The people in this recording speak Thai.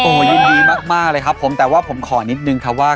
ของพวกเราเองโอ้โหยิ้มดีมากมากเลยครับผมแต่ว่าผมขอนิดนึงค่ะว่า